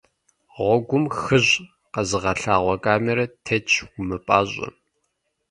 Гъуэгум «хыщӏ» къэзыгъэлъагъуэ камерэ тетщ, умыпӏащӏэ.